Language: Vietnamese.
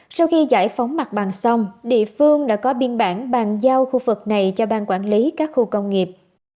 sau khi giải phóng mặt bằng xong địa phương đã có biên bản bàn giao khu vực này cho bang quản lý các khu công nghiệp